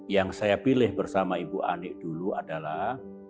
yang saya pilih bersama ibu ani dulu adalah